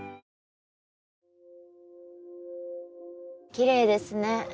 きれいですね。